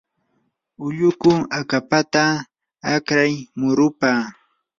ulluku akapata akray murupa.